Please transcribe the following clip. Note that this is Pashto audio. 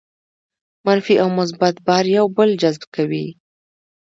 منفي او مثبت بار یو بل جذب کوي.